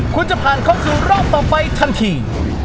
คุณจะผ่านเข้าสู่รอบต่อไปทันที